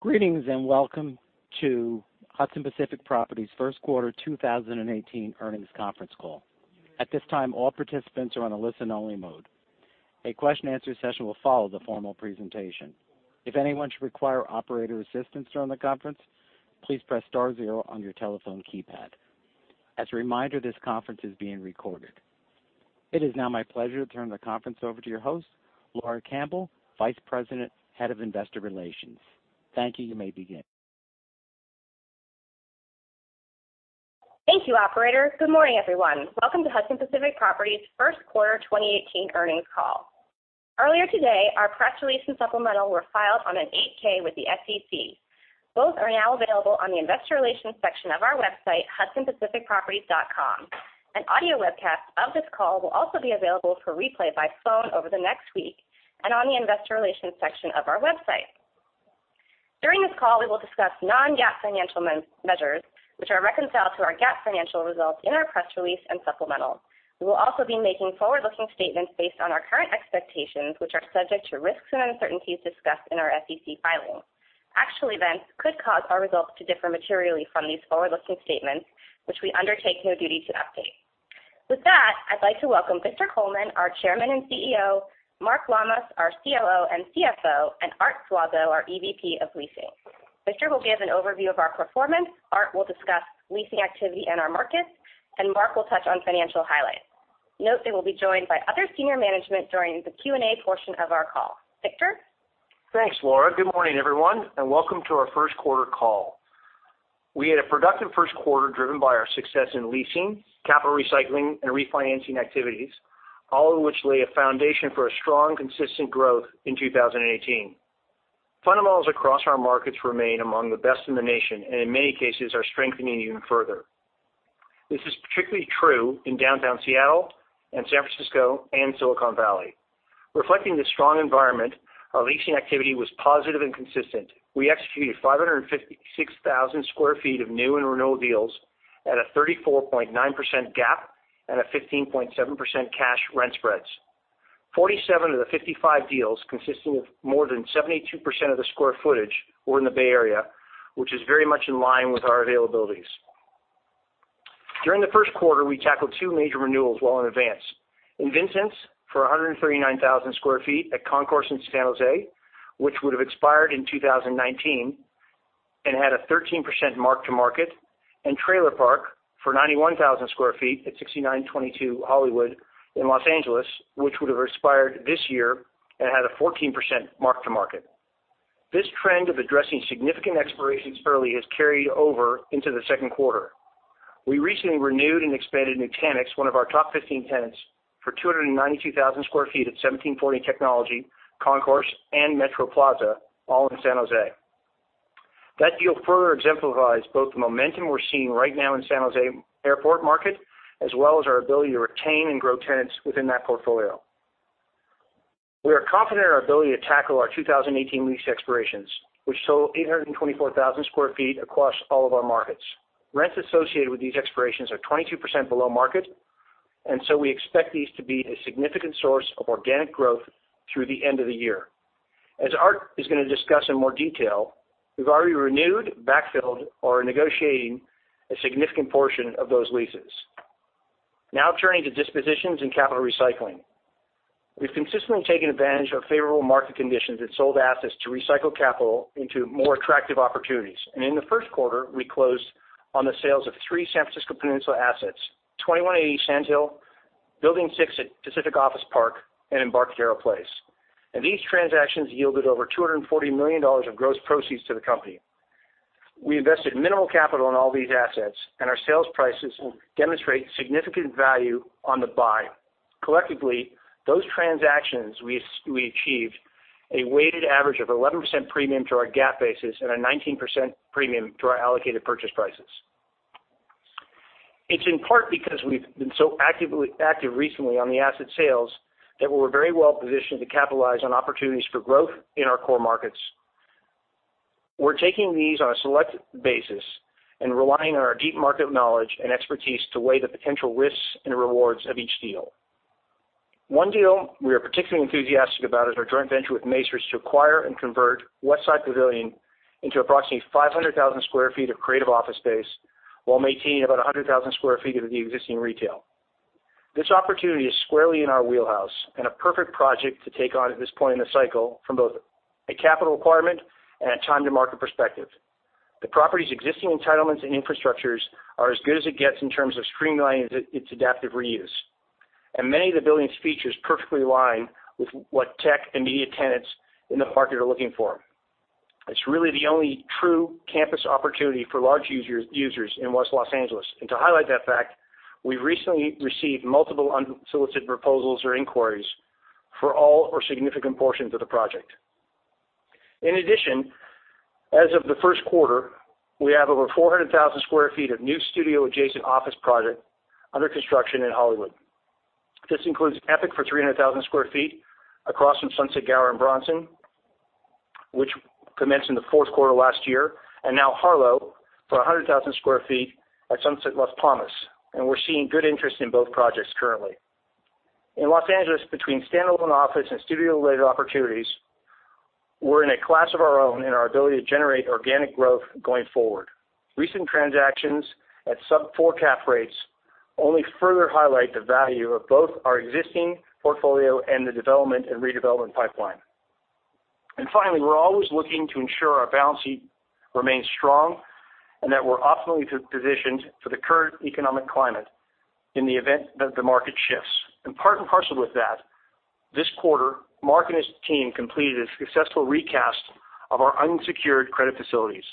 Greetings, welcome to Hudson Pacific Properties' first quarter 2018 earnings conference call. At this time, all participants are on a listen-only mode. A question and answer session will follow the formal presentation. If anyone should require operator assistance during the conference, please press star zero on your telephone keypad. As a reminder, this conference is being recorded. It is now my pleasure to turn the conference over to your host, Laura Campbell, Vice President, Head of Investor Relations. Thank you. You may begin. Thank you, operator. Good morning, everyone. Welcome to Hudson Pacific Properties' first-quarter 2018 earnings call. Earlier today, our press release and supplemental were filed on an 8-K with the SEC. Both are now available on the investor relations section of our website, hudsonpacificproperties.com. An audio webcast of this call will also be available for replay by phone over the next week, and on the investor relations section of our website. During this call, we will discuss non-GAAP financial measures, which are reconciled to our GAAP financial results in our press release and supplemental. We will also be making forward-looking statements based on our current expectations, which are subject to risks and uncertainties discussed in our SEC filings. Actual events could cause our results to differ materially from these forward-looking statements, which we undertake no duty to update. With that, I'd like to welcome Victor Coleman, our Chairman and CEO, Mark Lammas, our COO and CFO, and Arthur Suazo, our EVP of Leasing. Victor will give an overview of our performance, Art will discuss leasing activity in our markets, and Mark will touch on financial highlights. Note they will be joined by other senior management during the Q&A portion of our call. Victor? Thanks, Laura. Good morning, everyone, welcome to our first-quarter call. We had a productive first quarter driven by our success in leasing, capital recycling, and refinancing activities, all of which lay a foundation for a strong, consistent growth in 2018. Fundamentals across our markets remain among the best in the nation, and in many cases, are strengthening even further. This is particularly true in downtown Seattle and San Francisco and Silicon Valley. Reflecting the strong environment, our leasing activity was positive and consistent. We executed 556,000 sq ft of new and renewal deals at a 34.9% GAAP and a 15.7% cash rent spreads. 47 of the 55 deals, consisting of more than 72% of the sq ft, were in the Bay Area, which is very much in line with our availabilities. During the first quarter, we tackled two major renewals well in advance. InvenSense for 139,000 square feet at Concourse in San Jose, which would have expired in 2019 and had a 13% mark-to-market, and Trailer Park for 91,000 square feet at 6922 Hollywood in Los Angeles, which would have expired this year and had a 14% mark-to-market. This trend of addressing significant expirations early has carried over into the second quarter. We recently renewed and expanded Nutanix, one of our top 15 tenants, for 292,000 square feet at 1740 Technology, Concourse, and Metro Plaza, all in San Jose. That deal further exemplifies both the momentum we're seeing right now in San Jose airport market, as well as our ability to retain and grow tenants within that portfolio. We are confident in our ability to tackle our 2018 lease expirations, which total 824,000 square feet across all of our markets. Rents associated with these expirations are 22% below market. We expect these to be a significant source of organic growth through the end of the year. As Art Suazo is going to discuss in more detail, we've already renewed, backfilled, or are negotiating a significant portion of those leases. Now turning to dispositions and capital recycling. We've consistently taken advantage of favorable market conditions and sold assets to recycle capital into more attractive opportunities. In the first quarter, we closed on the sales of three San Francisco Peninsula assets: 2180 Sand Hill, Building 6 at Pacific Office Park, and Embarcadero Place. These transactions yielded over $240 million of gross proceeds to the company. We invested minimal capital in all these assets, and our sales prices demonstrate significant value on the buy. Collectively, those transactions we achieved a weighted average of 11% premium to our GAAP basis and a 19% premium to our allocated purchase prices. It's in part because we've been so active recently on the asset sales that we're very well-positioned to capitalize on opportunities for growth in our core markets. We're taking these on a select basis and relying on our deep market knowledge and expertise to weigh the potential risks and rewards of each deal. One deal we are particularly enthusiastic about is our joint venture with Macerich to acquire and convert Westside Pavilion into approximately 500,000 square feet of creative office space while maintaining about 100,000 square feet of the existing retail. This opportunity is squarely in our wheelhouse and a perfect project to take on at this point in the cycle from both a capital requirement and a time to market perspective. The property's existing entitlements and infrastructures are as good as it gets in terms of streamlining its adaptive reuse. Many of the building's features perfectly align with what tech and media tenants in the market are looking for. It's really the only true campus opportunity for large users in West Los Angeles. To highlight that fact, we've recently received multiple unsolicited proposals or inquiries for all or significant portions of the project. In addition, as of the first quarter, we have over 400,000 square feet of new studio-adjacent office project under construction in Hollywood. This includes Epic for 300,000 square feet across from Sunset Gower and Bronson, which commenced in the fourth quarter last year, and now Harlow for 100,000 square feet at Sunset Las Palmas. We're seeing good interest in both projects currently. In Los Angeles between standalone office and studio-related opportunities, we're in a class of our own in our ability to generate organic growth going forward. Recent transactions at sub-4% cap rates only further highlight the value of both our existing portfolio and the development and redevelopment pipeline. Finally, we're always looking to ensure our balance sheet remains strong and that we're optimally positioned for the current economic climate in the event that the market shifts. Part and parcel with that, this quarter, Mark and his team completed a successful recast of our unsecured credit facilities.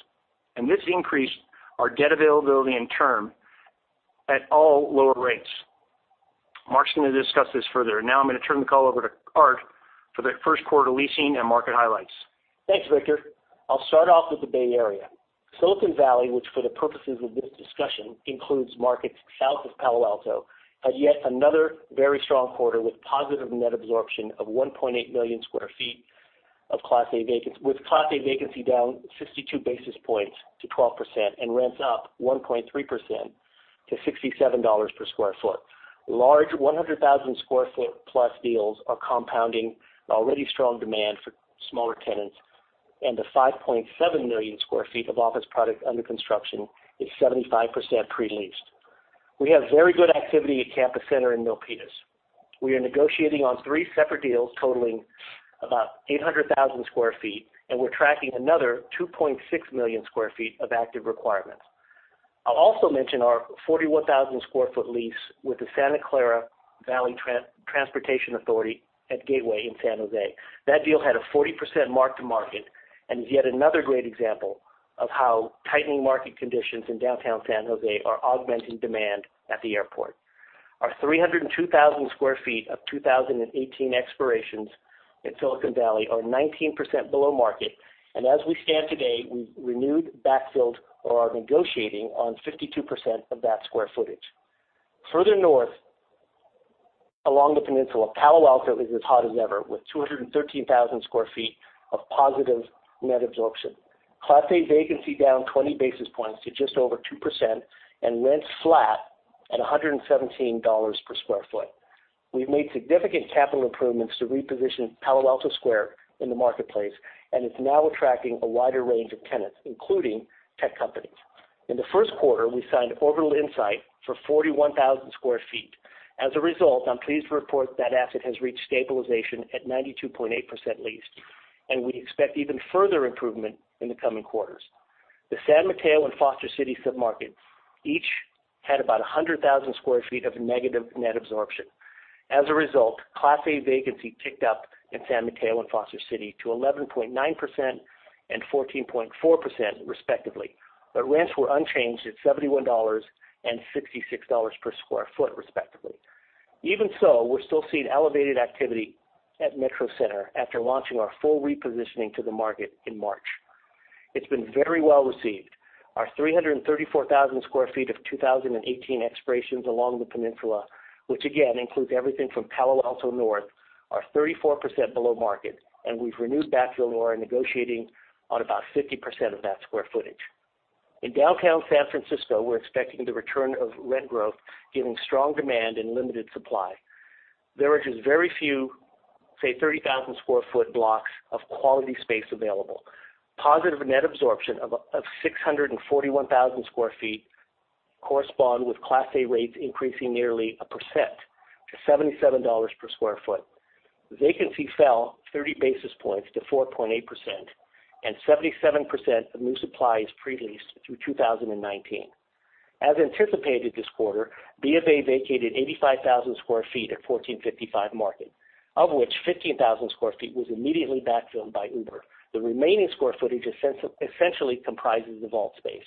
This increased our debt availability and term at all lower rates. Mark's going to discuss this further. Now I'm going to turn the call over to Art for the first quarter leasing and market highlights. Thanks, Victor. I'll start off with the Bay Area. Silicon Valley, which for the purposes of this discussion includes markets south of Palo Alto, had yet another very strong quarter with positive net absorption of 1.8 million square feet with class A vacancy down 62 basis points to 12%, and rents up 1.3% to $67 per square foot. Large 100,000 square foot plus deals are compounding already strong demand for smaller tenants, and the 5.7 million square feet of office product under construction is 75% pre-leased. We have very good activity at Campus Center in Milpitas. We are negotiating on three separate deals totaling about 800,000 square feet, and we're tracking another 2.6 million square feet of active requirements. I'll also mention our 41,000-square-foot lease with the Santa Clara Valley Transportation Authority at Gateway in San Jose. That deal had a 40% mark-to-market and is yet another great example of how tightening market conditions in downtown San Jose are augmenting demand at the airport. Our 302,000 square feet of 2018 expirations in Silicon Valley are 19% below market, and as we stand today, we've renewed backfilled or are negotiating on 52% of that square footage. Further north along the peninsula, Palo Alto is as hot as ever, with 213,000 square feet of positive net absorption. Class A vacancy down 20 basis points to just over 2%, and rents flat at $117 per square foot. We've made significant capital improvements to reposition Palo Alto Square in the marketplace, and it's now attracting a wider range of tenants, including tech companies. In the first quarter, we signed Orbital Insight for 41,000 square feet. As a result, I'm pleased to report that asset has reached stabilization at 92.8% leased, and we expect even further improvement in the coming quarters. The San Mateo and Foster City submarkets each had about 100,000 square feet of negative net absorption. As a result, class A vacancy ticked up in San Mateo and Foster City to 11.9% and 14.4%, respectively, but rents were unchanged at $71 and $66 per square foot, respectively. Even so, we're still seeing elevated activity at Metro Center after launching our full repositioning to the market in March. It's been very well received. Our 334,000 square feet of 2018 expirations along the peninsula, which again includes everything from Palo Alto North, are 34% below market, and we've renewed backfill or are negotiating on about 50% of that square footage. In downtown San Francisco, we're expecting the return of rent growth given strong demand and limited supply. There are just very few, say, 30,000-square-foot blocks of quality space available. Positive net absorption of 641,000 square feet corresponded with class A rates increasing nearly 1% to $77 per square foot. Vacancy fell 30 basis points to 4.8%, and 77% of new supply is pre-leased through 2019. As anticipated this quarter, B of A vacated 85,000 square feet at 1455 Market, of which 15,000 square feet was immediately backfilled by Uber. The remaining square footage essentially comprises the Vault space,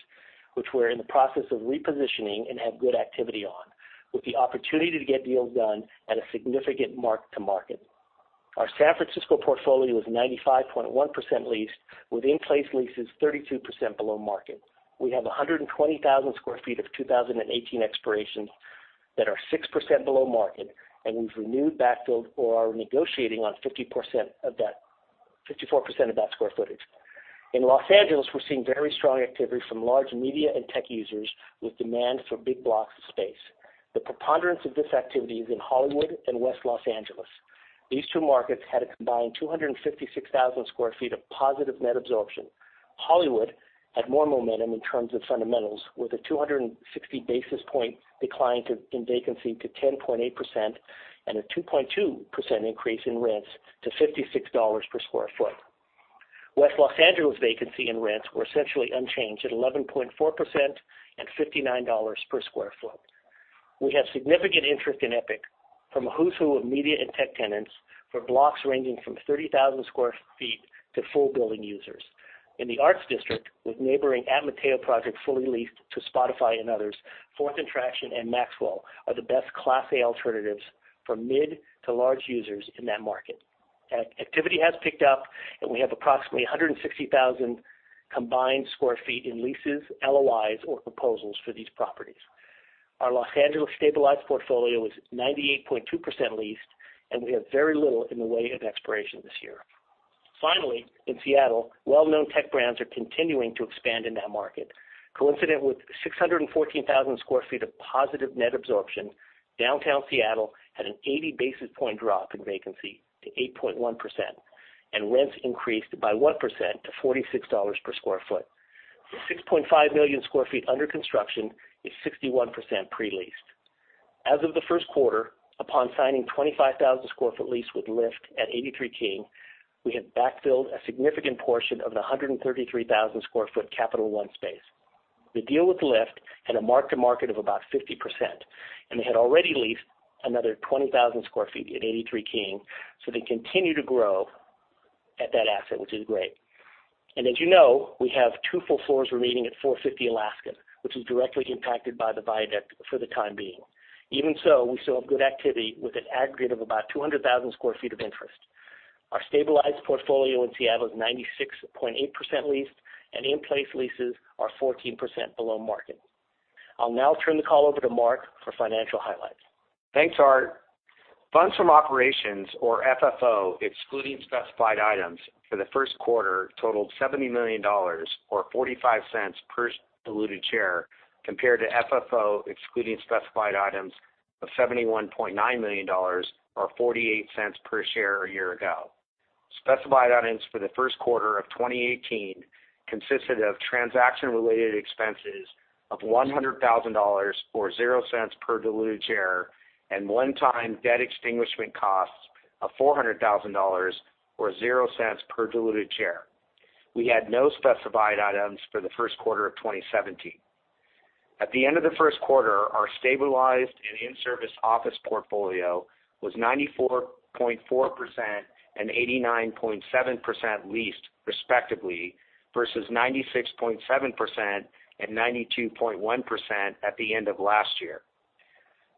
which we're in the process of repositioning and have good activity on, with the opportunity to get deals done at a significant mark to market. Our San Francisco portfolio is 95.1% leased, with in-place leases 32% below market. We have 120,000 square feet of 2018 expirations that are 6% below market. We've renewed backfilled or are negotiating on 54% of that square footage. In L.A., we're seeing very strong activity from large media and tech users with demand for big blocks of space. The preponderance of this activity is in Hollywood and West L.A. These two markets had a combined 256,000 square feet of positive net absorption. Hollywood had more momentum in terms of fundamentals, with a 260-basis-point decline in vacancy to 10.8% and a 2.2% increase in rents to $56 per square foot. West L.A. vacancy and rents were essentially unchanged at 11.4% and $59 per square foot. We have significant interest in Epic from a who's who of media and tech tenants for blocks ranging from 30,000 square feet to full building users. In the Arts District, with neighboring At Mateo project fully leased to Spotify and others, Fourth and Traction and Maxwell are the best class A alternatives for mid to large users in that market. Activity has picked up. We have approximately 160,000 combined square feet in leases, LOIs, or proposals for these properties. Our L.A. stabilized portfolio is 98.2% leased. We have very little in the way of expiration this year. Finally, in Seattle, well-known tech brands are continuing to expand in that market. Coincident with 614,000 square feet of positive net absorption, downtown Seattle had an 80-basis point drop in vacancy to 8.1%. Rents increased by 1% to $46 per square foot. The 6.5 million square feet under construction is 61% pre-leased. As of the first quarter, upon signing 25,000 square foot lease with Lyft at 83 King, we have backfilled a significant portion of the 133,000 square foot Capital One space. The deal with Lyft had a mark-to-market of about 50%. They had already leased another 20,000 square feet at 83 King, so they continue to grow at that asset, which is great. As you know, we have two full floors remaining at 450 Alaskan, which is directly impacted by the viaduct for the time being. Even so, we still have good activity with an aggregate of about 200,000 square feet of interest. Our stabilized portfolio in Seattle is 96.8% leased. In-place leases are 14% below market. I'll now turn the call over to Mark for financial highlights. Thanks, Art. Funds from operations or FFO, excluding specified items for the first quarter totaled $70 million or $0.45 per diluted share compared to FFO excluding specified items of $71.9 million or $0.48 per share a year ago. Specified items for the first quarter of 2018 consisted of transaction-related expenses of $100,000 or $0.00 per diluted share, and one-time debt extinguishment costs of $400,000 or $0.00 per diluted share. We had no specified items for the first quarter of 2017. At the end of the first quarter, our stabilized and in-service office portfolio was 94.4% and 89.7% leased respectively versus 96.7% and 92.1% at the end of last year.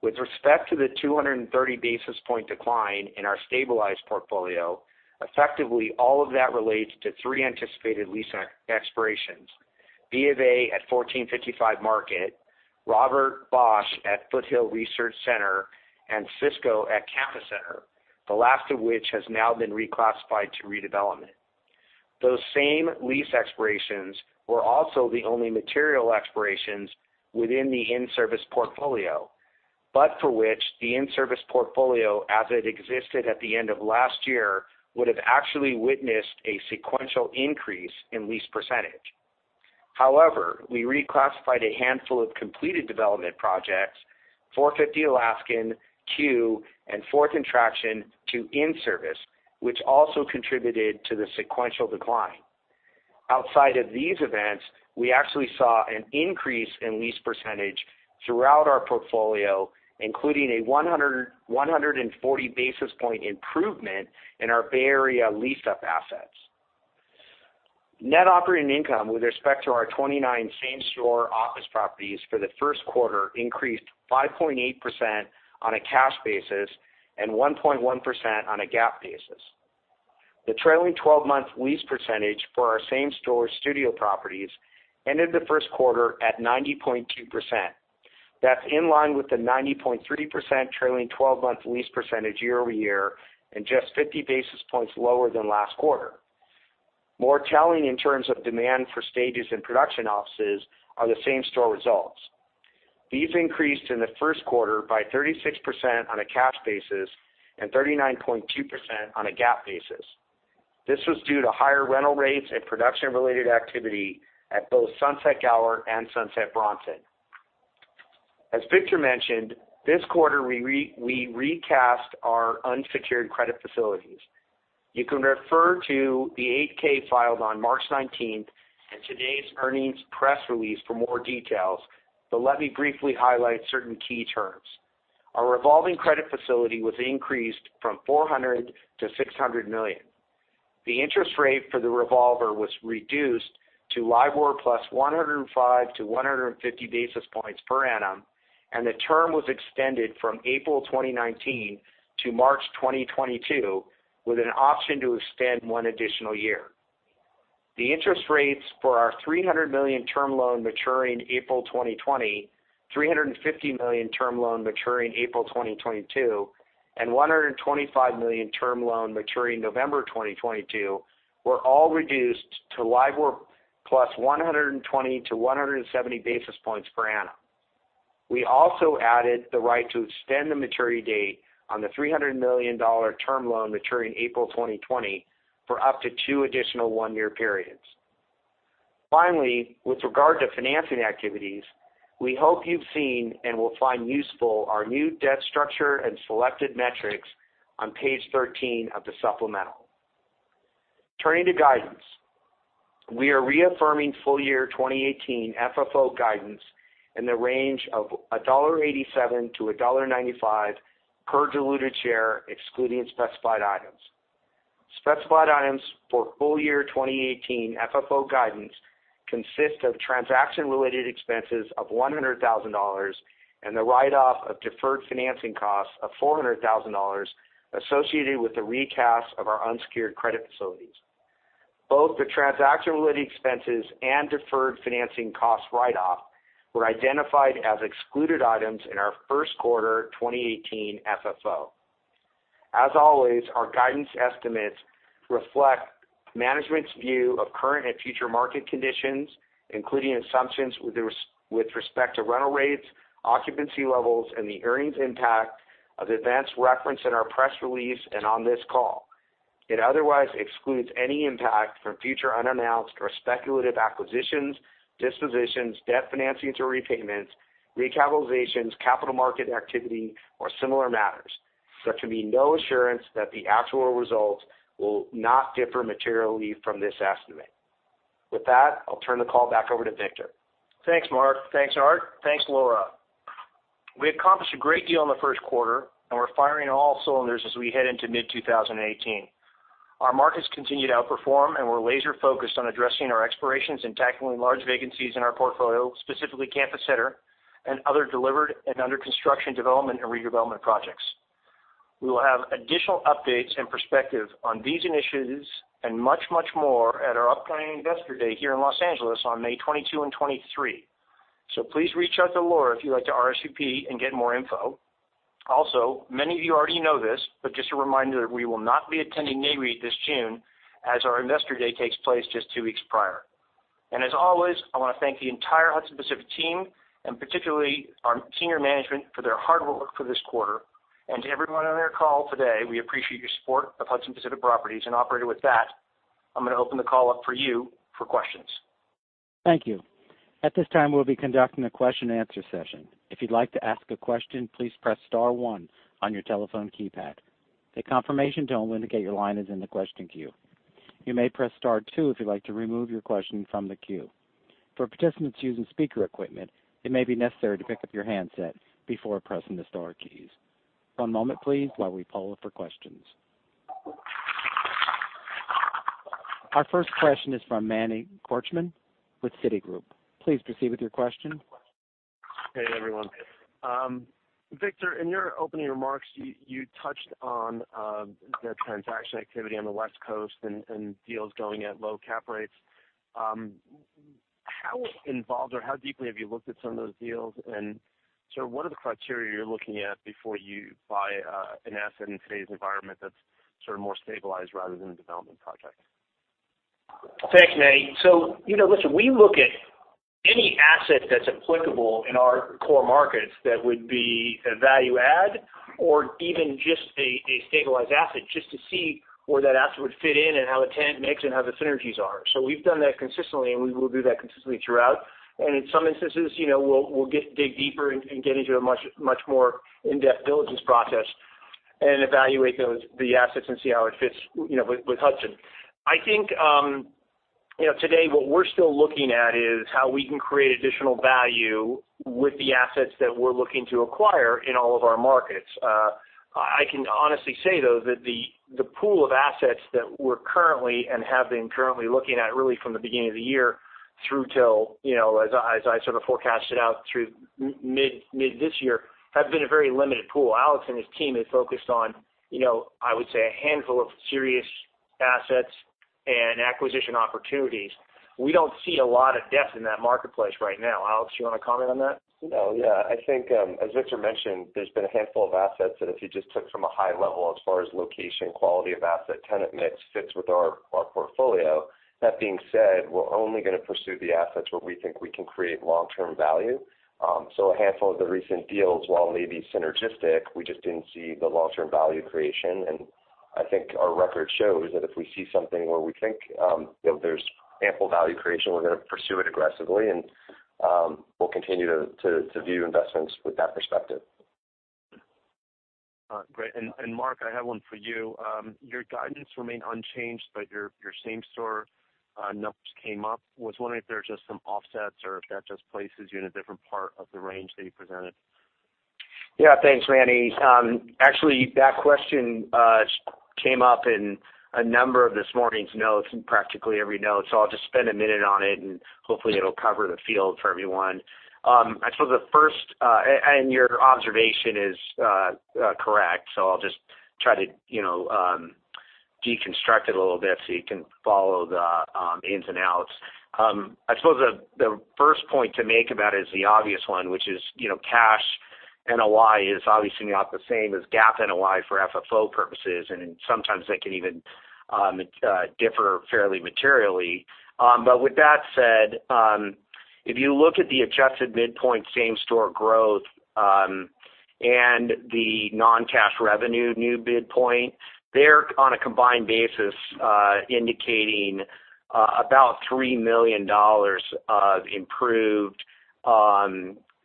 With respect to the 230-basis point decline in our stabilized portfolio, effectively all of that relates to three anticipated lease expirations. B of A at 1455 Market, Robert Bosch at Foothill Research Center, and Cisco at Campus Center, the last of which has now been reclassified to redevelopment. Those same lease expirations were also the only material expirations within the in-service portfolio, but for which the in-service portfolio, as it existed at the end of last year, would have actually witnessed a sequential increase in lease percentage. However, we reclassified a handful of completed development projects, 450 Alaskan, Q, and Fourth and Traction to in-service, which also contributed to the sequential decline. Outside of these events, we actually saw an increase in lease percentage throughout our portfolio, including a 140-basis point improvement in our Bay Area leased-up assets. Net operating income with respect to our 29 same-store office properties for the first quarter increased 5.8% on a cash basis and 1.1% on a GAAP basis. The trailing 12-month lease percentage for our same-store studio properties ended the first quarter at 90.2%. That's in line with the 90.3% trailing 12-month lease percentage year-over-year and just 50 basis points lower than last quarter. More challenging in terms of demand for stages and production offices are the same-store results. These increased in the first quarter by 36% on a cash basis and 39.2% on a GAAP basis. This was due to higher rental rates and production-related activity at both Sunset Gower and Sunset Bronson. As Victor mentioned, this quarter, we recast our unsecured credit facilities. You can refer to the 8-K filed on March 19th and today's earnings press release for more details, but let me briefly highlight certain key terms. Our revolving credit facility was increased from $400 million to $600 million. The interest rate for the revolver was reduced to LIBOR plus 105 to 150 basis points per annum, and the term was extended from April 2019 to March 2022, with an option to extend one additional year. The interest rates for our $300 million term loan maturing April 2020, $350 million term loan maturing April 2022, and $125 million term loan maturing November 2022 were all reduced to LIBOR plus 120 to 170 basis points per annum. We also added the right to extend the maturity date on the $300 million term loan maturing April 2020 for up to two additional one-year periods. Finally, with regard to financing activities, we hope you've seen and will find useful our new debt structure and selected metrics on page 13 of the supplemental. Turning to guidance, we are reaffirming full-year 2018 FFO guidance in the range of $1.87 to $1.95 per diluted share, excluding specified items. Specified items for full-year 2018 FFO guidance consist of transaction-related expenses of $100,000 and the write-off of deferred financing costs of $400,000 associated with the recast of our unsecured credit facilities. Both the transaction-related expenses and deferred financing cost write-off were identified as excluded items in our first quarter 2018 FFO. As always, our guidance estimates reflect management's view of current and future market conditions, including assumptions with respect to rental rates, occupancy levels, and the earnings impact of events referenced in our press release and on this call. It otherwise excludes any impact from future unannounced or speculative acquisitions, dispositions, debt financing to repayments, recapitalizations, capital market activity, or similar matters. There can be no assurance that the actual results will not differ materially from this estimate. With that, I'll turn the call back over to Victor. Thanks, Mark. Thanks, Art. Thanks, Laura. We accomplished a great deal in the first quarter, and we're firing on all cylinders as we head into mid-2018. Our markets continue to outperform, and we're laser-focused on addressing our expirations and tackling large vacancies in our portfolio, specifically Campus Center and other delivered and under construction development and redevelopment projects. We will have additional updates and perspective on these initiatives and much, much more at our upcoming Investor Day here in Los Angeles on May 22 and 23. Please reach out to Laura if you'd like to RSVP and get more info. Many of you already know this, but just a reminder that we will not be attending NAREIT this June, as our Investor Day takes place just two weeks prior. As always, I want to thank the entire Hudson Pacific team, and particularly our senior management, for their hard work for this quarter. To everyone on our call today, we appreciate your support of Hudson Pacific Properties. Operator, with that, I'm going to open the call up for you for questions. Thank you. At this time, we'll be conducting a question and answer session. If you'd like to ask a question, please press star one on your telephone keypad. A confirmation tone will indicate your line is in the question queue. You may press star two if you'd like to remove your question from the queue. For participants using speaker equipment, it may be necessary to pick up your handset before pressing the star keys. One moment, please, while we poll for questions. Our first question is from Manny Korchman with Citigroup. Please proceed with your question. Hey, everyone. Victor, in your opening remarks, you touched on the transaction activity on the West Coast and deals going at low cap rates. How involved or how deeply have you looked at some of those deals? What are the criteria you're looking at before you buy an asset in today's environment that's more stabilized rather than a development project? Thanks, Manny. Listen, we look at any asset that's applicable in our core markets that would be a value add or even just a stabilized asset, just to see where that asset would fit in and how a tenant mix and how the synergies are. We've done that consistently, and we will do that consistently throughout. In some instances, we'll dig deeper and get into a much more in-depth diligence process and evaluate the assets and see how it fits with Hudson. I think today what we're still looking at is how we can create additional value with the assets that we're looking to acquire in all of our markets. I can honestly say, though, that the pool of assets that we're currently and have been currently looking at, really from the beginning of the year through till, as I sort of forecast it out through mid this year, have been a very limited pool. Alex and his team have focused on, I would say, a handful of serious assets and acquisition opportunities. We don't see a lot of depth in that marketplace right now. Alex, you want to comment on that? No, yeah. I think, as Victor mentioned, there's been a handful of assets that if you just took from a high level as far as location, quality of asset, tenant mix, fits with our portfolio. That being said, we're only going to pursue the assets where we think we can create long-term value. A handful of the recent deals, while maybe synergistic, we just didn't see the long-term value creation, and I think our record shows that if we see something where we think that there's ample value creation, we're going to pursue it aggressively, and we'll continue to view investments with that perspective. Great. Mark, I have one for you. Your guidance remained unchanged, but your same store numbers came up. Was wondering if there are just some offsets or if that just places you in a different part of the range that you presented. Yeah. Thanks, Manny. Actually, that question came up in a number of this morning's notes, in practically every note. I'll just spend a minute on it, and hopefully it'll cover the field for everyone. Your observation is correct, so I'll just try to deconstruct it a little bit so you can follow the ins and outs. I suppose the first point to make about it is the obvious one, which is cash NOI is obviously not the same as GAAP NOI for FFO purposes, and sometimes they can even differ fairly materially. With that said, if you look at the adjusted midpoint same-store growth and the non-cash revenue midpoint, they're on a combined basis indicating about $3 million of improved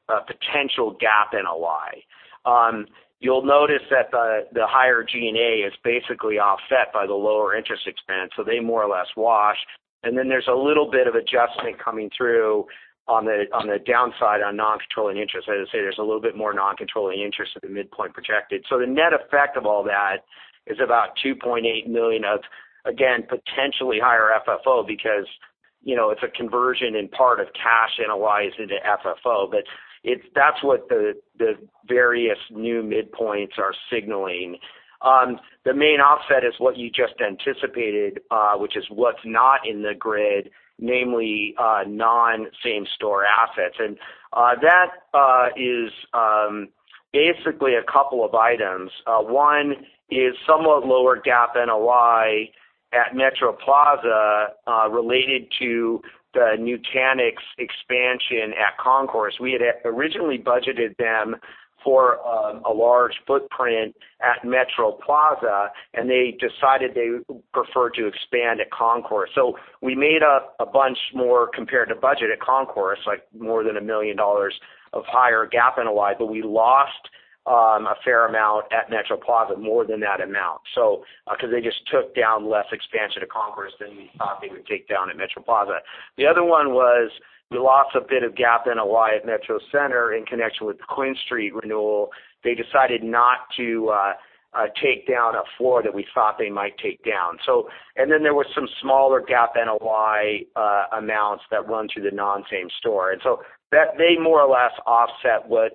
potential GAAP NOI. You'll notice that the higher G&A is basically offset by the lower interest expense, so they more or less wash. There's a little bit of adjustment coming through on the downside on non-controlling interest. As I say, there's a little bit more non-controlling interest at the midpoint projected. The net effect of all that is about $2.8 million of, again, potentially higher FFO because It's a conversion in part of cash analyzed into FFO, that's what the various new midpoints are signaling. The main offset is what you just anticipated, which is what's not in the grid, namely non-same-store assets. That is basically 2 items. One is somewhat lower GAAP NOI at Metro Plaza, related to the Nutanix expansion at Concourse. We had originally budgeted them for a large footprint at Metro Plaza, they decided they would prefer to expand at Concourse. We made up a bunch more compared to budget at Concourse, like more than $1 million of higher GAAP NOI, we lost a fair amount at Metro Plaza, more than that amount. They just took down less expansion at Concourse than we thought they would take down at Metro Plaza. The other one was we lost a bit of GAAP NOI at Metro Center in connection with the QuinStreet renewal. They decided not to take down a floor that we thought they might take down. There was some smaller GAAP NOI amounts that run through the non-same store. They more or less offset what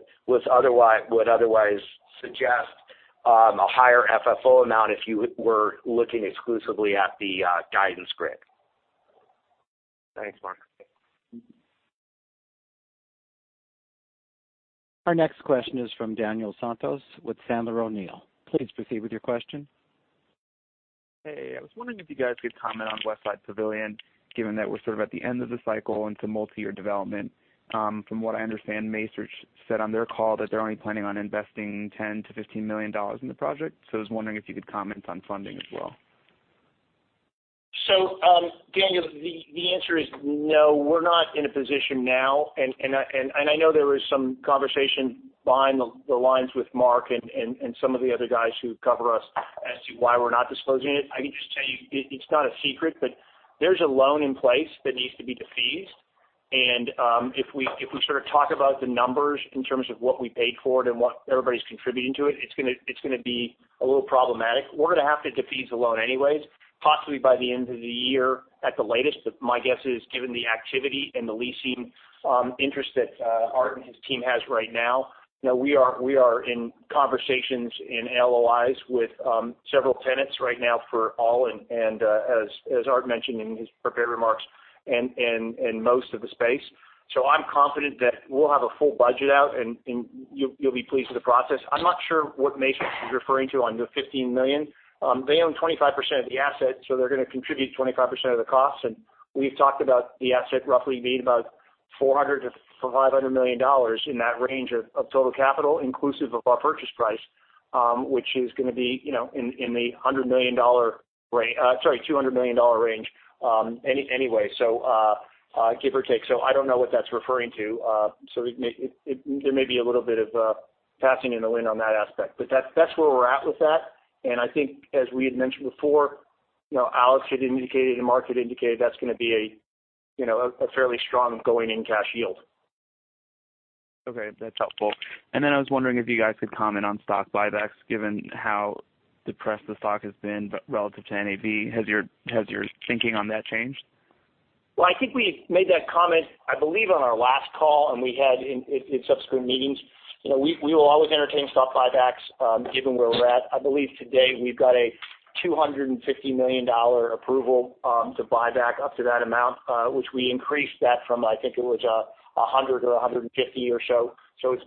otherwise suggest a higher FFO amount if you were looking exclusively at the guidance grid. Thanks, Mark. Our next question is from Daniel Santos with Sandler O'Neill. Please proceed with your question. Hey, I was wondering if you guys could comment on Westside Pavilion, given that we're sort of at the end of the cycle into multi-year development. From what I understand, Macerich said on their call that they're only planning on investing $10 million-$15 million in the project. I was wondering if you could comment on funding as well. Daniel, the answer is no, we're not in a position now, and I know there was some conversation behind the lines with Mark and some of the other guys who cover us as to why we're not disclosing it. I can just tell you, it's not a secret, but there's a loan in place that needs to be defeased. If we sort of talk about the numbers in terms of what we paid for it and what everybody's contributing to it's going to be a little problematic. We're going to have to defease the loan anyways, possibly by the end of the year at the latest. My guess is given the activity and the leasing interest that Art and his team has right now, we are in conversations in LOIs with several tenants right now for all, and as Art mentioned in his prepared remarks, and most of the space. I'm confident that we'll have a full budget out, and you'll be pleased with the process. I'm not sure what Macerich is referring to on the $15 million. They own 25% of the asset, so they're going to contribute 25% of the cost. We've talked about the asset roughly being about $400 million-$500 million in that range of total capital, inclusive of our purchase price, which is going to be in the $200 million range, anyway. Give or take. I don't know what that's referring to. There may be a little bit of passing in the wind on that aspect. That's where we're at with that, and I think as we had mentioned before, Alex had indicated and Mark had indicated, that's going to be a fairly strong going-in cash yield. Okay. That's helpful. I was wondering if you guys could comment on stock buybacks, given how depressed the stock has been relative to NAV. Has your thinking on that changed? Well, I think we made that comment, I believe, on our last call, and we had in subsequent meetings. We will always entertain stock buybacks given where we're at. I believe today we've got a $250 million approval to buy back up to that amount, which we increased that from, I think it was $100 or $150 or so.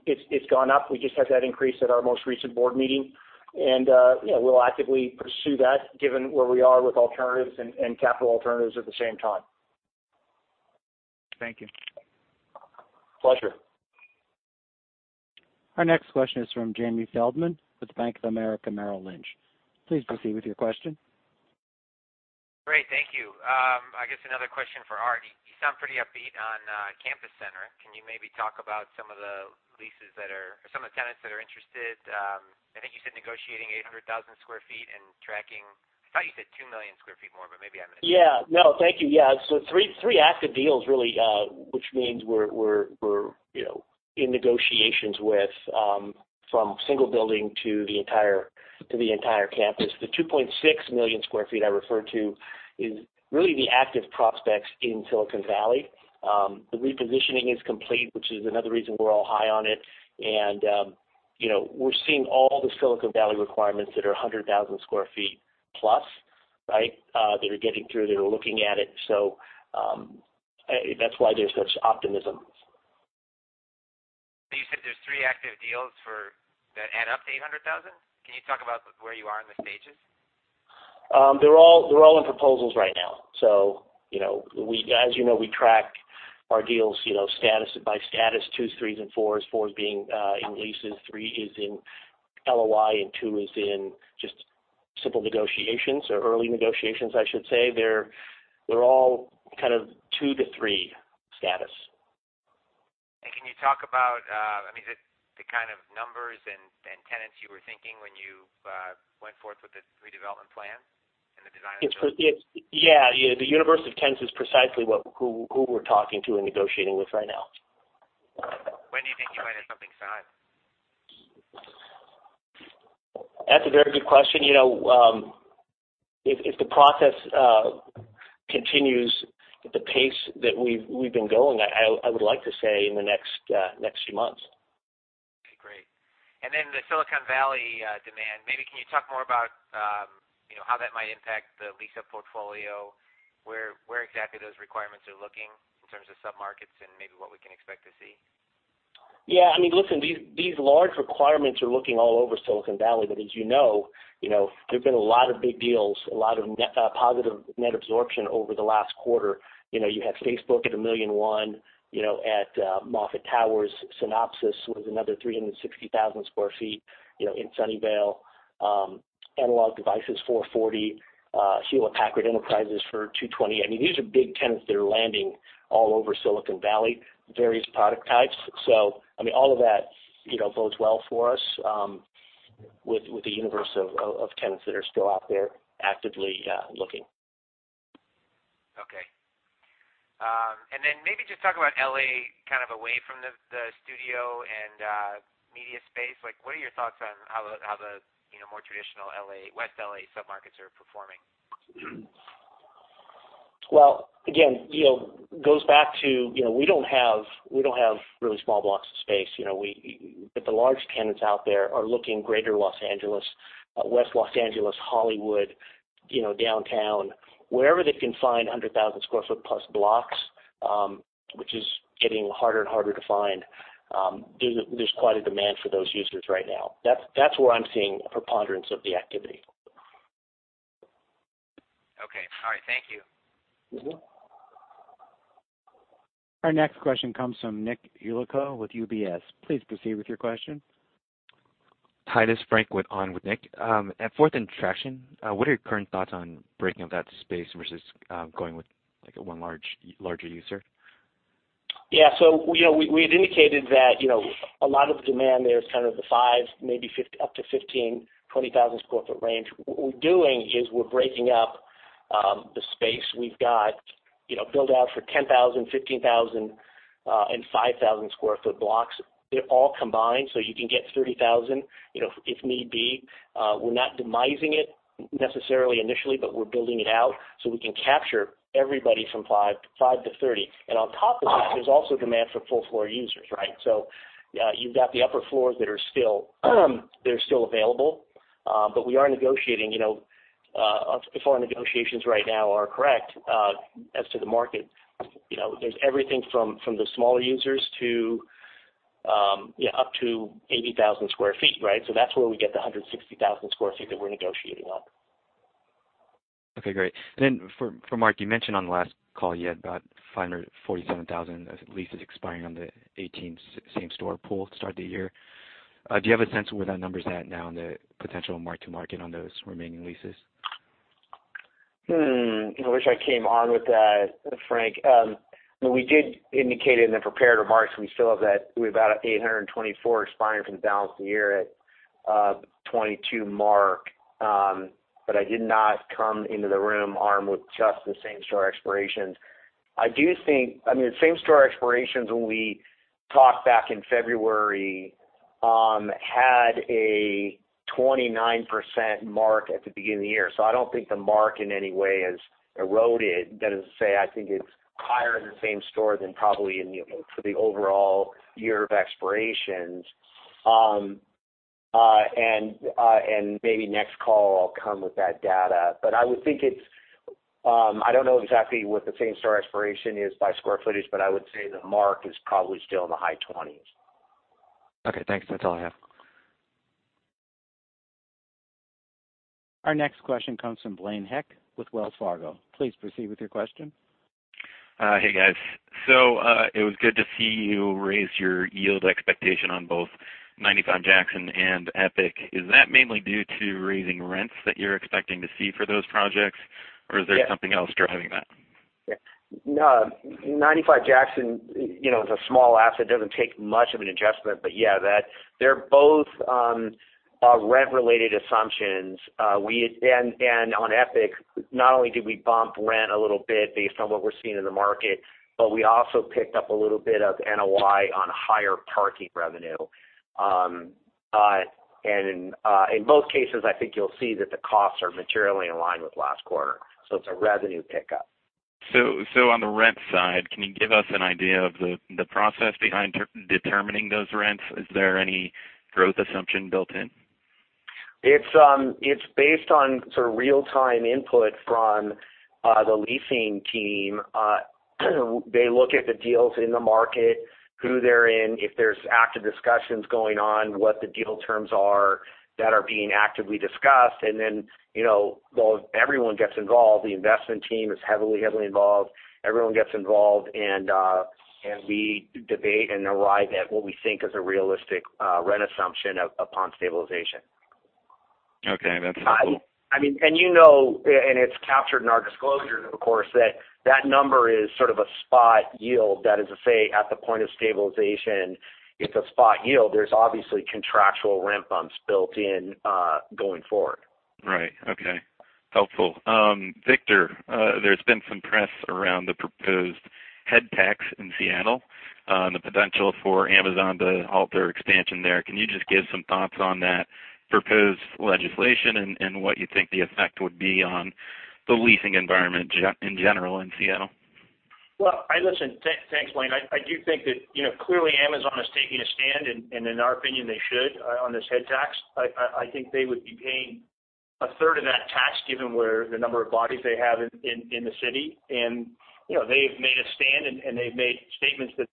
It's gone up. We just had that increase at our most recent board meeting. We'll actively pursue that given where we are with alternatives and capital alternatives at the same time. Thank you. Pleasure. Our next question is from Jamie Feldman with Bank of America Merrill Lynch. Please proceed with your question. Great. Thank you. I guess another question for Art. You sound pretty upbeat on Campus Center. Can you maybe talk about some of the tenants that are interested? I think you said negotiating 800,000 sq ft and tracking I thought you said 2 million sq ft more, but maybe I misheard. Thank you. Three active deals really, which means we're in negotiations with from single building to the entire campus. The 2.6 million sq ft I referred to is really the active prospects in Silicon Valley. The repositioning is complete, which is another reason we're all high on it. We're seeing all the Silicon Valley requirements that are 100,000 sq ft plus. They're getting through. They're looking at it. That's why there's such optimism. You said there's three active deals that add up to 800,000? Can you talk about where you are in the stages? They're all in proposals right now. As you know, we track our deals status by status 2s, 3s, and 4s. 4s being in leases, 3 is in LOI, 2 is in just simple negotiations or early negotiations, I should say. They're all kind of 2 to 3 status. Can you talk about the kind of numbers and tenants you were thinking when you went forth with the redevelopment plan and the design? Yeah. The universe of tenants is precisely who we're talking to and negotiating with right now. That's a very good question. If the process continues at the pace that we've been going, I would like to say in the next few months. Okay, great. Then the Silicon Valley demand, maybe can you talk more about how that might impact the lease-up portfolio, where exactly those requirements are looking in terms of sub-markets and maybe what we can expect to see? Yeah. Look, these large requirements are looking all over Silicon Valley, but as you know, there's been a lot of big deals, a lot of positive net absorption over the last quarter. You have Facebook at 1,000,001 at Moffett Towers. Synopsys with another 360,000 sq ft in Sunnyvale. Analog Devices, 440. Hewlett Packard Enterprise for 220. These are big tenants that are landing all over Silicon Valley, various product types. All of that bodes well for us with the universe of tenants that are still out there actively looking. Okay. Maybe just talk about L.A., kind of away from the studio and media space. What are your thoughts on how the more traditional West L.A. sub-markets are performing? Well, again, it goes back to we don't have really small blocks of space. The large tenants out there are looking greater Los Angeles, West Los Angeles, Hollywood, downtown, wherever they can find 100,000-sq ft-plus blocks, which is getting harder and harder to find. There's quite a demand for those users right now. That's where I'm seeing a preponderance of the activity. Okay. All right. Thank you. Our next question comes from Nicholas Yulico with UBS. Please proceed with your question. Hi, this is Frank with Nick. At Fourth and Traction, what are your current thoughts on breaking up that space versus going with one larger user? Yeah. We had indicated that a lot of the demand there is kind of the five, maybe up to 15, 20,000-square-foot range. What we're doing is we're breaking up the space. We've got build-out for 10,000, 15,000, and 5,000-square-foot blocks. They're all combined, so you can get 30,000, if need be. We're not demising it necessarily initially, but we're building it out so we can capture everybody from five to 30. On top of that, there's also demand for full-floor users, right? You've got the upper floors that are still available. We are negotiating. If our negotiations right now are correct as to the market, there's everything from the smaller users to up to 80,000 square feet, right? That's where we get the 160,000 square feet that we're negotiating on. Okay, great. Then for Mark, you mentioned on the last call you had about 547,000 leases expiring on the 2018 same-store pool to start the year. Do you have a sense of where that number's at now and the potential mark-to-market on those remaining leases? I wish I came on with that, Frank. We did indicate in the prepared remarks we still have that. We have about 824 expiring from the balance of the year at 22 mark. I did not come into the room armed with just the same-store expirations. I mean, same-store expirations, when we talked back in February, had a 29% mark at the beginning of the year. I don't think the mark in any way has eroded. That is to say, I think it's higher in the same store than probably for the overall year of expirations. Maybe next call I'll come with that data. I don't know exactly what the same-store expiration is by square footage, but I would say the mark is probably still in the high 20s. Okay, thanks. That's all I have. Our next question comes from Blaine Heck with Wells Fargo. Please proceed with your question. Hey, guys. It was good to see you raise your yield expectation on both 95 Jackson and Epic. Is that mainly due to raising rents that you're expecting to see for those projects? Is there something else driving that? Yeah. 95 Jackson is a small asset. It doesn't take much of an adjustment. They're both rent-related assumptions. On Epic, not only did we bump rent a little bit based on what we're seeing in the market, but we also picked up a little bit of NOI on higher parking revenue. In both cases, I think you'll see that the costs are materially in line with last quarter. It's a revenue pickup. On the rent side, can you give us an idea of the process behind determining those rents? Is there any growth assumption built in? It's based on real-time input from the leasing team. They look at the deals in the market, who they're in, if there's active discussions going on, what the deal terms are that are being actively discussed. Then everyone gets involved. The investment team is heavily involved. Everyone gets involved, and we debate and arrive at what we think is a realistic rent assumption upon stabilization. Okay. That's helpful. It's captured in our disclosures, of course, that that number is sort of a spot yield. That is to say, at the point of stabilization, it's a spot yield. There's obviously contractual rent bumps built in going forward. Right. Okay. Helpful. Victor, there's been some press around the proposed head tax in Seattle, and the potential for Amazon to halt their expansion there. Can you just give some thoughts on that proposed legislation and what you think the effect would be on the leasing environment in general in Seattle? Well, listen. Thanks, Blaine. I do think that clearly Amazon is taking a stand, and in our opinion, they should, on this head tax. I think they would be paying a third of that tax given the number of bodies they have in the city. They've made a stand, and they've made statements that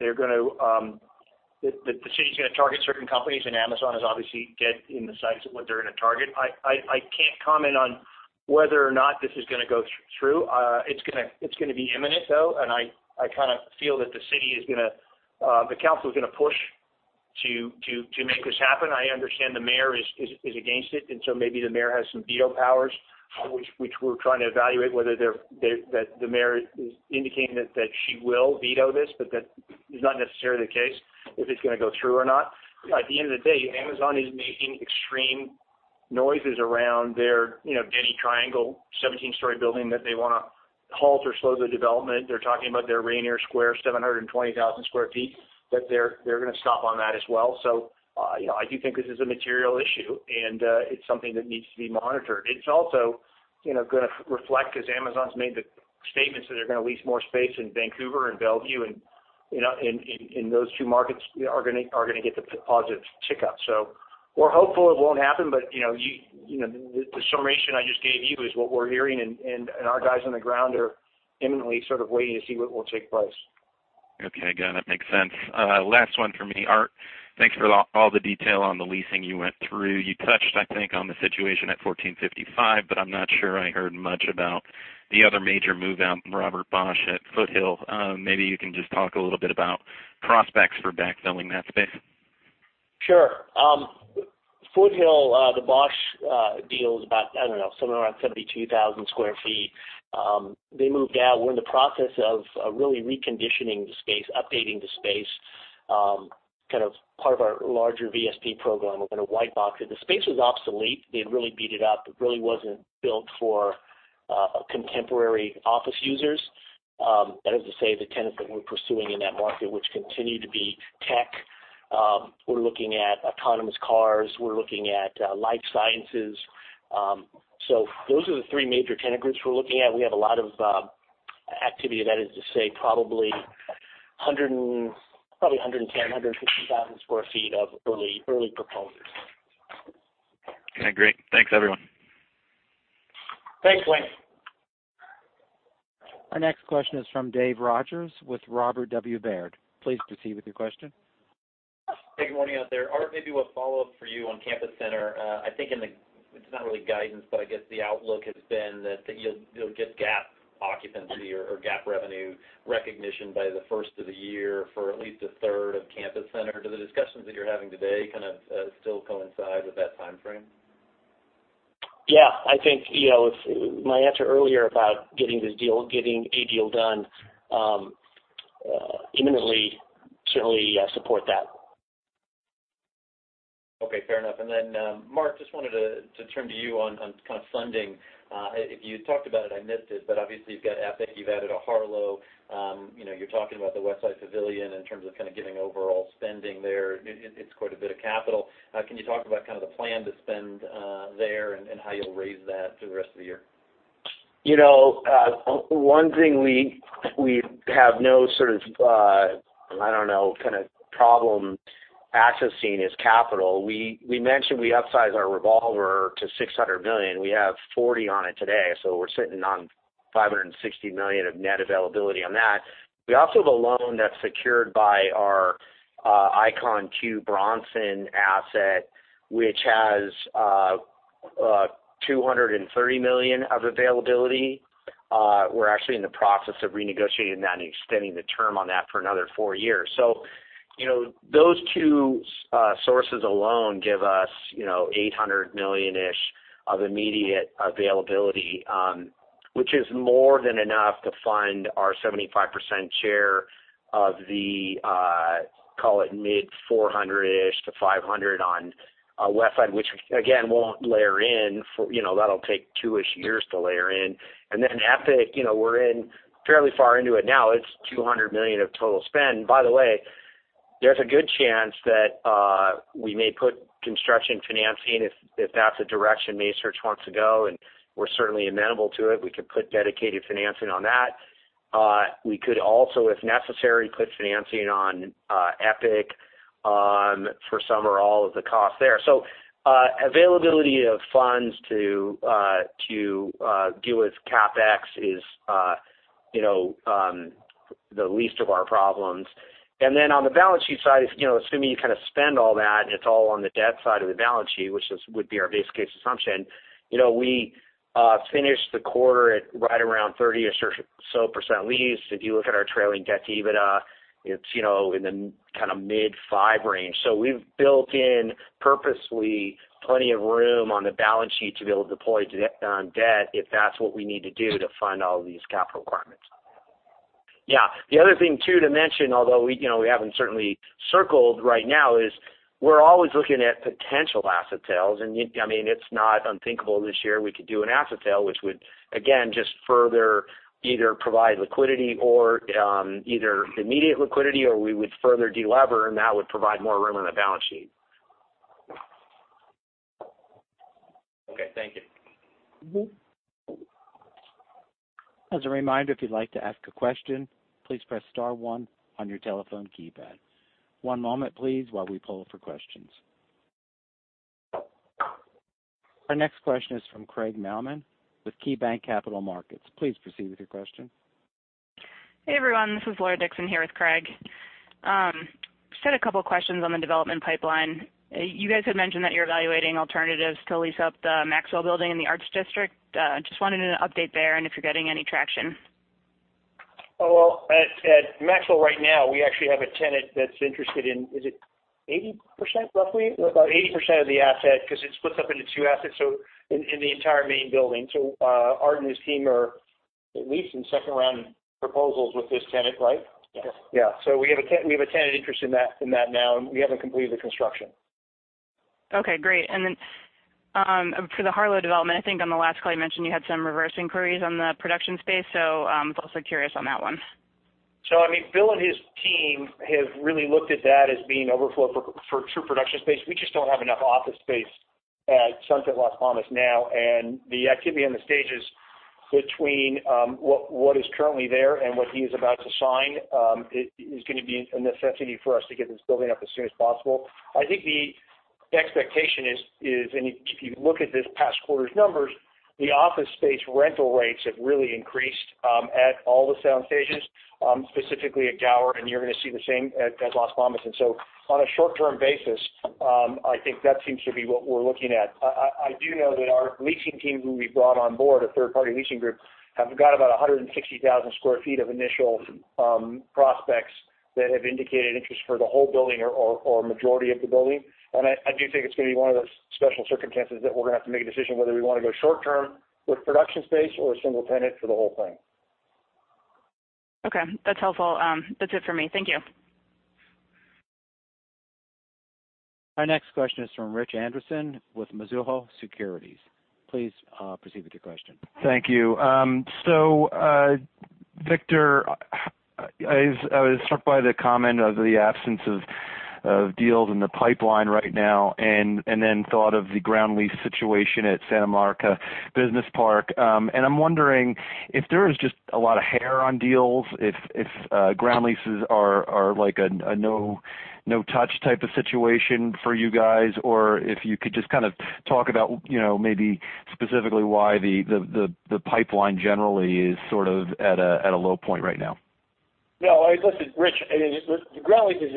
the city's going to target certain companies, and Amazon is obviously dead in the sights of what they're going to target. I can't comment on whether or not this is going to go through. It's going to be imminent, though. I feel that the council is going to push to make this happen. I understand the mayor is against it, and so maybe the mayor has some veto powers, which we're trying to evaluate whether the mayor is indicating that she will veto this. That is not necessarily the case, if it's going to go through or not. At the end of the day, Amazon is making extreme noises around their Denny Triangle 17-story building that they want to halt or slow the development. They're talking about their Rainier Square, 720,000 sq ft, that they're going to stop on that as well. I do think this is a material issue, and it's something that needs to be monitored. It's also going to reflect, because Amazon's made the statements that they're going to lease more space in Vancouver and Bellevue, and those two markets are going to get the positive tick-up. We're hopeful it won't happen, but the summation I just gave you is what we're hearing, and our guys on the ground are imminently sort of waiting to see what will take place. Okay. Got it. Makes sense. Last one from me. Art, thanks for all the detail on the leasing you went through. You touched, I think, on the situation at 1455, but I'm not sure I heard much about the other major move-out from Robert Bosch at Foothill. Maybe you can just talk a little bit about prospects for backfilling that space. Sure. Foothill, the Bosch deal is about, I don't know, somewhere around 72,000 sq ft. They moved out. We're in the process of really reconditioning the space, updating the space, kind of part of our larger VSP program. We're going to white box it. The space was obsolete. They had really beat it up. It really wasn't built for contemporary office users. That is to say, the tenants that we're pursuing in that market, which continue to be tech. We're looking at autonomous cars, we're looking at life sciences. Those are the three major tenant groups we're looking at. We have a lot of activity. That is to say, probably 110,000, 150,000 sq ft of early proposals. Okay, great. Thanks, everyone. Thanks, Blaine. Our next question is from Dave Rodgers with Robert W. Baird. Please proceed with your question. Hey, good morning out there. Art, maybe we'll follow up for you on Campus Center. I think it's not really guidance, but I guess the outlook has been that you'll get GAAP occupancy or GAAP revenue recognition by the first of the year for at least a third of Campus Center. Do the discussions that you're having today kind of still coincide with that timeframe? Yeah, I think my answer earlier about getting a deal done imminently, certainly support that. Okay, fair enough. Mark, just wanted to turn to you on kind of funding. If you talked about it, I missed it, but obviously you've got Epic, you've added a Harlow. You're talking about the Westside Pavilion in terms of kind of giving overall spending there. It's quite a bit of capital. Can you talk about kind of the plan to spend there and how you'll raise that through the rest of the year? One thing we have no sort of problem accessing is capital. We mentioned we upsized our revolver to $600 million. We have $40 on it today, we're sitting on $560 million of net availability on that. We also have a loan that's secured by our Icon at Sunset Bronson Studios asset, which has $230 million of availability. We're actually in the process of renegotiating that and extending the term on that for another four years. Those two sources alone give us $800 million-ish of immediate availability, which is more than enough to fund our 75% share of the, call it $400 million-ish to $500 million on Westside, which again, we won't layer in. That'll take two-ish years to layer in. Epic, we're in fairly far into it now. It's $200 million of total spend. By the way, there's a good chance that we may put construction financing if that's the direction Macerich wants to go, and we're certainly amenable to it. We could put dedicated financing on that. We could also, if necessary, put financing on Epic for some or all of the cost there. Availability of funds to deal with CapEx is the least of our problems. On the balance sheet side, assuming you kind of spend all that, and it's all on the debt side of the balance sheet, which would be our base case assumption. We finished the quarter at right around 30% or so lease. If you look at our trailing debt to EBITDA, it's in the kind of mid-5 range. We've built in purposely plenty of room on the balance sheet to be able to deploy on debt if that's what we need to do to fund all these capital requirements. Yeah. The other thing too to mention, although we haven't certainly circled right now, is we're always looking at potential asset sales. It's not unthinkable this year we could do an asset sale, which would, again, just further either provide liquidity or either immediate liquidity, or we would further de-lever, and that would provide more room on the balance sheet. Okay. Thank you. As a reminder, if you'd like to ask a question, please press star one on your telephone keypad. One moment please, while we poll for questions. Our next question is from Craig Mailman with KeyBanc Capital Markets. Please proceed with your question. Hey, everyone. This is Laura Dixon here with Craig. Just had a couple questions on the development pipeline. You guys had mentioned that you're evaluating alternatives to lease up the Maxwell building in the Arts District. Just wanted an update there and if you're getting any traction. Well, at Maxwell right now, we actually have a tenant that's interested in Is it 80% roughly? Or about 80% of the asset because it's split up into two assets, so in the entire main building. Art and his team are at least in second-round proposals with this tenant, right? Yes. Yeah. We have a tenant interest in that now, and we haven't completed the construction. Okay, great. For the Harlow development, I think on the last call you mentioned you had some reverse inquiries on the production space, I'm also curious on that one. Bill and his team have really looked at that as being overflow for true production space. We just don't have enough office space at Sunset Las Palmas now, the activity on the stages between what is currently there and what he is about to sign, is going to be a necessity for us to get this building up as soon as possible. I think the expectation is, if you look at this past quarter's numbers, the office space rental rates have really increased at all the sound stages, specifically at Gower, you're going to see the same at Las Palmas. On a short-term basis, I think that seems to be what we're looking at. I do know that our leasing team, who we brought on board, a third-party leasing group, have got about 160,000 square feet of initial prospects that have indicated interest for the whole building or majority of the building. I do think it's going to be one of those special circumstances that we're going to have to make a decision whether we want to go short-term with production space or a single tenant for the whole thing. Okay, that's helpful. That's it for me. Thank you. Our next question is from Richard Anderson with Mizuho Securities. Please proceed with your question. Thank you. Victor, I was struck by the comment of the absence of deals in the pipeline right now, then thought of the ground lease situation at Santa Monica Business Park. I'm wondering if there is just a lot of hair on deals, if ground leases are like a no-touch type of situation for you guys, if you could just kind of talk about maybe specifically why the pipeline generally is sort of at a low point right now. No. Listen, Rich, ground leases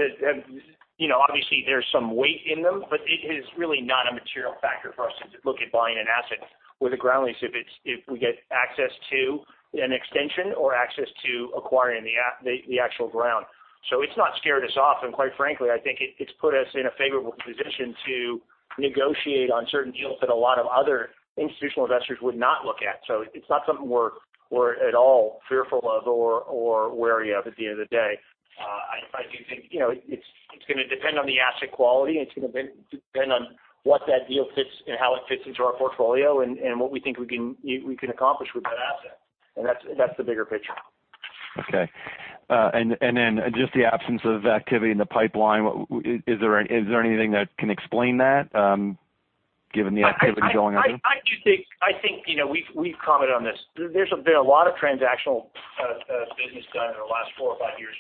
obviously, there's some weight in them, it is really not a material factor for us to look at buying an asset with a ground lease if we get access to an extension or access to acquiring the actual ground. It's not scared us off, quite frankly, I think it's put us in a favorable position to negotiate on certain deals that a lot of other institutional investors would not look at. It's not something we're at all fearful of or wary of at the end of the day. I do think it's going to depend on the asset quality, it's going to depend on what that deal fits and how it fits into our portfolio and what we think we can accomplish with that asset. That's the bigger picture. Okay. Just the absence of activity in the pipeline, is there anything that can explain that given the activity going on? I do think we've commented on this. There's been a lot of transactional business done in the last four or five years,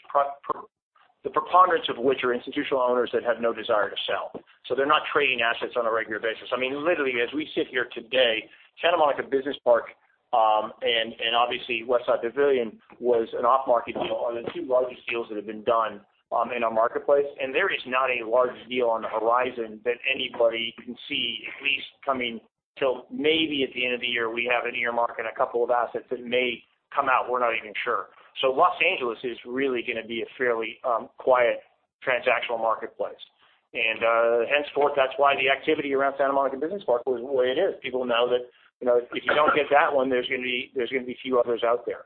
the preponderance of which are institutional owners that have no desire to sell. They're not trading assets on a regular basis. Literally, as we sit here today, Santa Monica Business Park, and obviously Westside Pavilion was an off-market deal, are the two largest deals that have been done in our marketplace. There is not a large deal on the horizon that anybody can see at least coming till maybe at the end of the year, we have in earmark a couple of assets that may come out. We're not even sure. Los Angeles is really going to be a fairly quiet transactional marketplace. Henceforth, that's why the activity around Santa Monica Business Park the way it is. People know that if you don't get that one, there's going to be few others out there.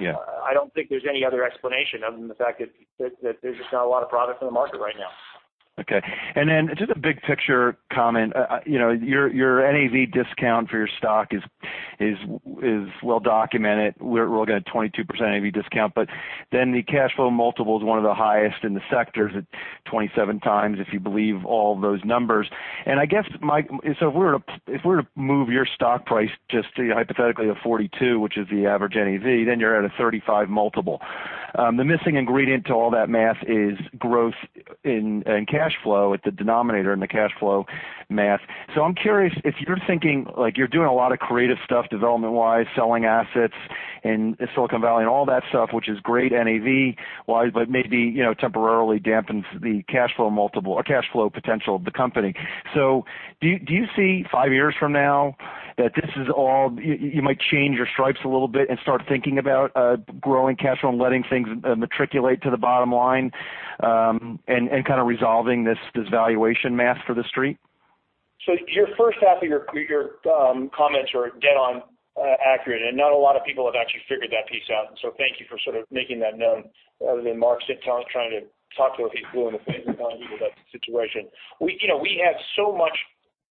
Yeah. I don't think there's any other explanation other than the fact that there's just not a lot of product in the market right now. Okay. Just a big-picture comment. Your NAV discount for your stock is well documented. We're looking at 22% NAV discount, but then the cash flow multiple is one of the highest in the sectors at 27x, if you believe all those numbers. I guess, if we were to move your stock price just to hypothetically a $42, which is the average NAV, then you're at a 35x multiple. The missing ingredient to all that math is growth in cash flow at the denominator in the cash flow math. I'm curious if you're thinking, like you're doing a lot of creative stuff development-wise, selling assets in Silicon Valley and all that stuff, which is great NAV-wise, but maybe temporarily dampens the cash flow multiple or cash flow potential of the company. Do you see 5 years from now that this is all you might change your stripes a little bit and start thinking about growing cash flow and letting things matriculate to the bottom line, and kind of resolving this valuation math for the street? Your first half of your comments are dead on accurate, and not a lot of people have actually figured that piece out, and so thank you for sort of making that known other than Mark sitting trying to talk to a few people and telling people that's the situation. We have so much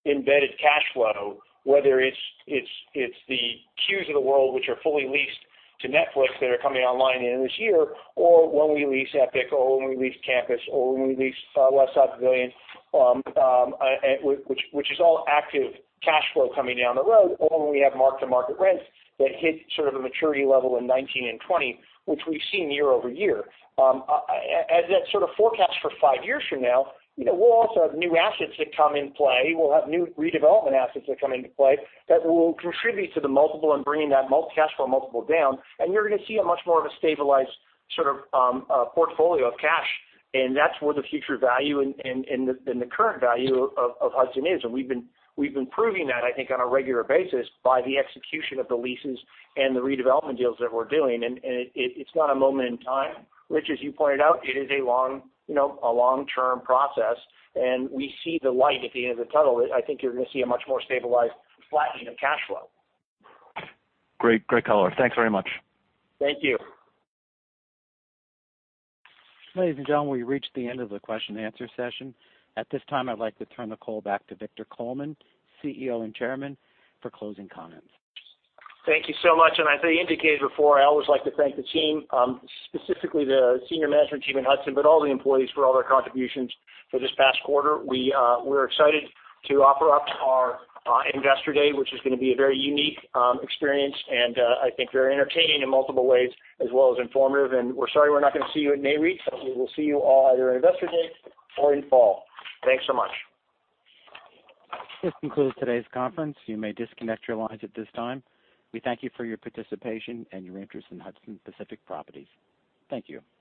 embedded cash flow, whether it's the Q's of the world which are fully leased to Netflix that are coming online end of this year, or when we lease Epic, or when we lease Campus, or when we lease Westside Pavilion, which is all active cash flow coming down the road, or when we have mark-to-market rents that hit sort of a maturity level in 2019 and 2020, which we've seen year-over-year. As that sort of forecast for 5 years from now, we'll also have new assets that come into play. We'll have new redevelopment assets that come into play that will contribute to the multiple and bringing that multiple cash flow multiple down, and you're going to see a much more of a stabilized sort of portfolio of cash, and that's where the future value and the current value of Hudson is. We've been proving that, I think, on a regular basis by the execution of the leases and the redevelopment deals that we're doing, and it's not a moment in time, Rich, as you pointed out. It is a long-term process. We see the light at the end of the tunnel. I think you're going to see a much more stabilized flattening of cash flow. Great color. Thanks very much. Thank you. Ladies and gentlemen, we reached the end of the question and answer session. At this time, I'd like to turn the call back to Victor Coleman, CEO and Chairman, for closing comments. Thank you so much. As I indicated before, I always like to thank the team, specifically the senior management team in Hudson, all the employees for all their contributions for this past quarter. We're excited to offer up our Investor Day, which is going to be a very unique experience and I think very entertaining in multiple ways as well as informative. We're sorry we're not going to see you at NAREIT, we will see you all at our Investor Day or in fall. Thanks so much. This concludes today's conference. You may disconnect your lines at this time. We thank you for your participation and your interest in Hudson Pacific Properties. Thank you.